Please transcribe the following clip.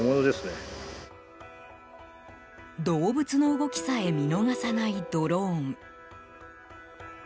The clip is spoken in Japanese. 動物の動きさえ見逃さないドローン。